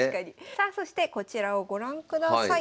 さあそしてこちらをご覧ください。